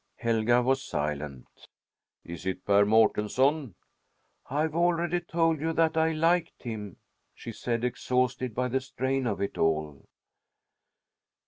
Helga was silent. "Is it Per Mårtensson?" "I have already told you that I liked him," she said, exhausted by the strain of it all.